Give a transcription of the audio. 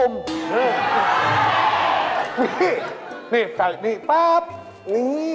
นี่นี่ใส่นี่ปั๊บนี่